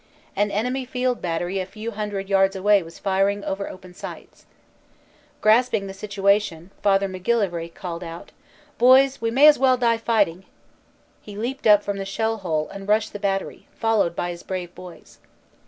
An enemy field battery a few hundred yards away was firing over open sights. Grasping the situation, Father MacGillivray called out, "Boys, we may as well die fighting." He leaped from the shell hole and rushed the battery, followed by his brave boys.